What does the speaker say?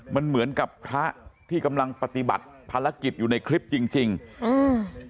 มันเหมือนกับพระที่กำลังปฏิบัติภารกิจอยู่ในคลิปจริงจริงอืม